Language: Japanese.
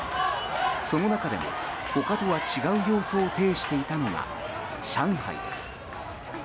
その中でも、他とは違う様相を呈していたのが上海です。